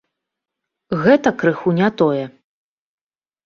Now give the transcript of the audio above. Гэта крыху не тое.